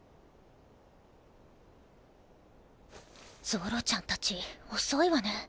ゾロちゃんたちおそいわね。